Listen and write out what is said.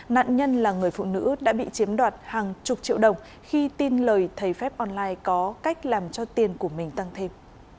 nạn nhân là người phụ nữ đã bị chiếm đoạt hàng chục triệu đồng khi tin lời thầy phép online có cách làm cho tiền của mình tăng thêm